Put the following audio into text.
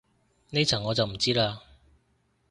呢層我就唔知嘞